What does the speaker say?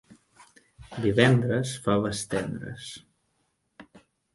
Divendres, faves tendres.